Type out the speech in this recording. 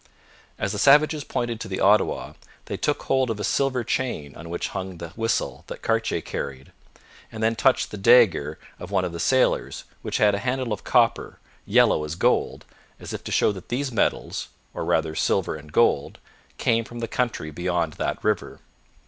As the savages pointed to the Ottawa, they took hold of a silver chain on which hung the whistle that Cartier carried, and then touched the dagger of one of the sailors, which had a handle of copper, yellow as gold, as if to show that these metals, or rather silver and gold, came from the country beyond that river.